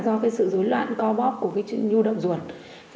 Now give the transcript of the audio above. do sự dối loạn co bóp của nhu động ruột